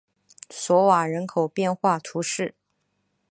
索瓦人口变化图示